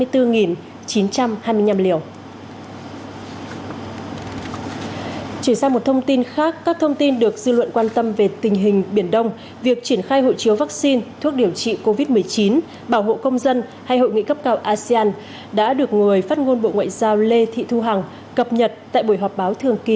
chuyển sang một thông tin khác các thông tin được dư luận quan tâm về tình hình biển đông việc triển khai hộ chiếu vaccine thuốc điều trị covid một mươi chín bảo hộ công dân hay hội nghị cấp cao asean đã được người phát ngôn bộ ngoại giao lê thị thu hằng cập nhật tại buổi họp báo thường kỳ